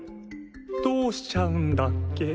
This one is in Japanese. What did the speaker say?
どうしちゃうんだっけ？